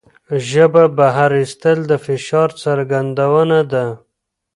ژبه بهر ایستل د فشار څرګندونه ده.